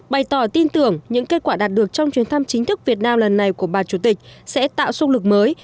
bày tỏ tin tưởng những kết quả đạt được trong chuyến thăm chính thức việt nam lần này của bà chủ tịch sẽ tạo sung lực mới